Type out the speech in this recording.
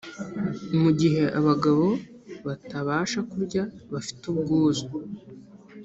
mu gihe abagabo batabasha kurya bafite ubwuzu